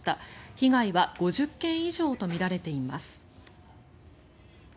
被害は５０件以上とみられています。